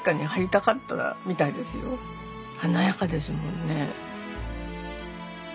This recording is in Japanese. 華やかですもんね。